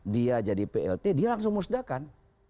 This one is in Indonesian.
dia jadi plt dia langsung musdakan